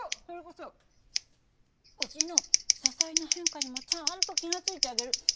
それこそ推しの些細な変化にもちゃんと気がついてあげる。